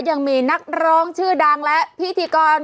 ยังมีนักร้องชื่อดังและพิธีกร